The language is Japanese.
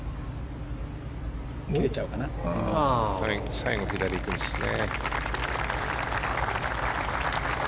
最後、左にいくんですね。